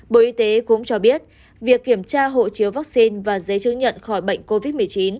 bộ y tế cũng cho biết việc kiểm tra hộ chiếu vaccine và giấy chứng nhận khỏi bệnh covid một mươi chín